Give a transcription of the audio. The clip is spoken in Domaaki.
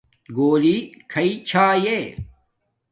گݸلݵ کھݳئی چھݳئݺ؟